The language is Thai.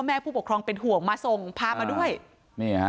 ไม่กล้าไป